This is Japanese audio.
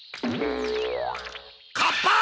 カッパー！